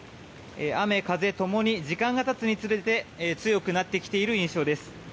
雨風ともに時間がたつにつれて強くなってきている印象です。